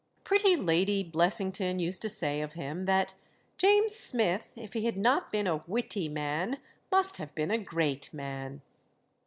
Pretty Lady Blessington used to say of him, that "James Smith, if he had not been a witty man, must have been a great man."